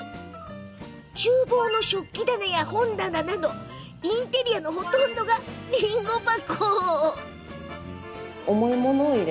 ちゅう房の食器棚や本棚などインテリアのほとんどがりんご箱。